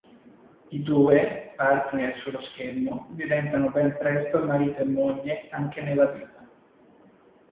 I due, partner sullo schermo, diventano ben presto marito e moglie anche nella vita.